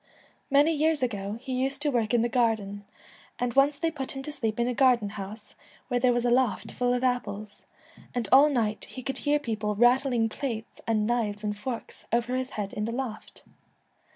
Many years ago he used to work in the garden, and once they put him to sleep in a garden house where there was a loft full of apples, and all night he could hear people rattling plates and knives and forks over his head in the loft.